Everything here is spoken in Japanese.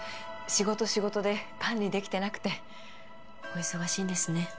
仕事仕事で管理できてなくてお忙しいんですね